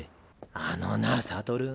あのな悟。